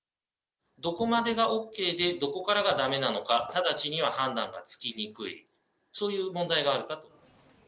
どこまでがＯＫで、どこからがだめなのか、直ちには判断がつきにくい、そういう問題があるかと。